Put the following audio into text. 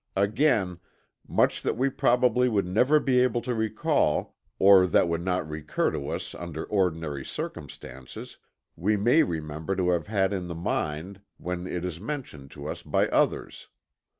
Again, much that we probably would never be able to recall, or that would not recur to us under ordinary circumstances, we may remember to have had in the mind when it is mentioned to us by others.